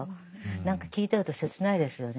何か聞いてると切ないですよね。